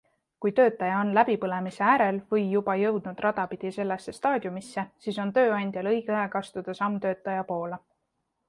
Kui töötaja on läbipõlemise äärel või juba jõudnud rada pidi sellesse staadiumisse, siis on tööandjal õige aeg astuda samm töötaja poole.